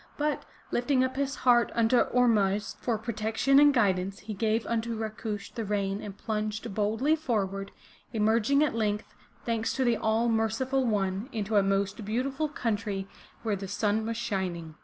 But, lifting up his heart unto Ormuzd for pro tection and guidance, he gave unto Rakush the rein and plunged boldly forward, emerging at length, thanks to the All merciful One, into a most beautiful country where the sun was shining.